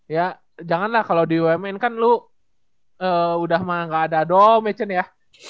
ya jangan lah kalo di wmn kan lu udah gak ada dorm ya ceni ya